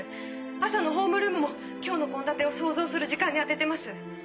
朝のホームルームも今日の献立を想像する時間に充ててます。